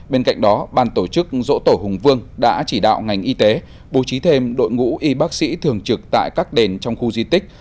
bên cạnh đó ban tổ chức dỗ tổ hùng vương đã chỉ đạo ngành y tế bố trí thêm đội ngũ y bác sĩ thường trực tại các đền trong khu di tích